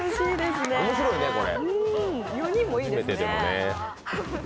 面白いね、これ。